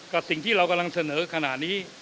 สิ่งที่เรากำลังเสนอขณะนี้